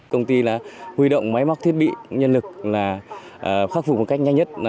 công ty là huy động máy móc thiết bị nhân lực là khắc phục một cách nhanh nhất